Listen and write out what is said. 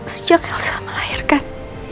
sejak elsa melahirkan